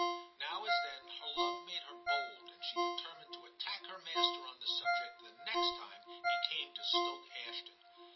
Now as then her love made her bold, and she determined to attack her master on the subject the next time he came to Stoke Ashton.